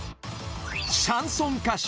シャンソン歌手